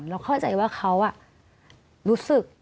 เราเข้าใจว่าเขารู้สึก